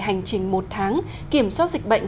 hành trình một tháng kiểm soát dịch bệnh